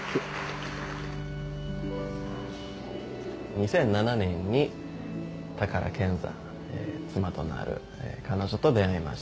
２００７年に宝ケンザ妻となる彼女と出会いました。